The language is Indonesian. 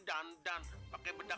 tiga dua tiga empat